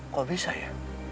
kok bisa ya